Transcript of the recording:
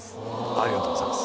ありがとうございます。